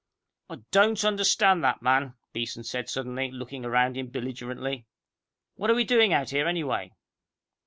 "I don't understand the man," Beeson said suddenly, looking around him belligerently. "What are we doing out here anyway?"